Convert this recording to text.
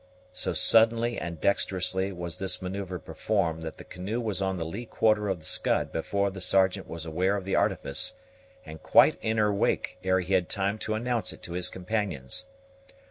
So suddenly and dexterously was this manoeuvre performed, that the canoe was on the lee quarter of the Scud before the Sergeant was aware of the artifice, and quite in her wake ere he had time to announce it to his companions.